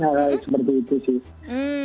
hal hal seperti itu sih